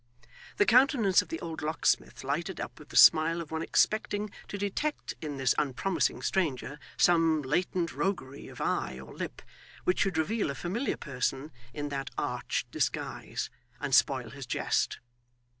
The countenance of the old locksmith lighted up with the smile of one expecting to detect in this unpromising stranger some latent roguery of eye or lip, which should reveal a familiar person in that arch disguise, and spoil his jest.